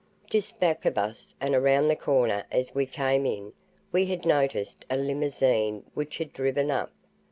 Just back of us, and around the corner, as we came in, we had noticed a limousine which had driven up.